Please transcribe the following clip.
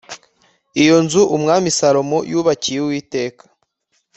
Iyo nzu Umwami Salomo yubakiye Uwiteka